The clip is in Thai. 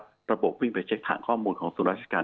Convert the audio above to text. ระบบวิ่งไปเช็คฐานข้อมูลของส่วนราชการ